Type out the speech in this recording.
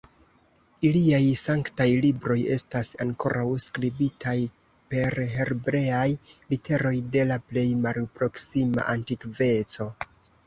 Iliaj sanktaj libroj estas ankoraŭ skribataj per hebreaj literoj de la plej malproksima antikveco.